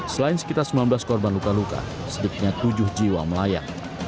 selain sekitar sembilan belas korban luka luka sedikitnya tujuh jiwa melayang